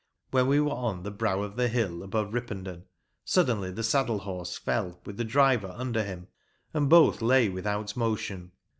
When we wefe on the brow of the hill above Ripponden, suddenly the saddle horse fell, with the driver under him, and both lay without motion.